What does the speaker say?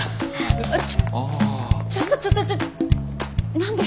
あちょちょっとちょっと何で？